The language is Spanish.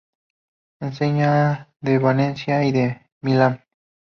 Enseña en Venecia y en Milán.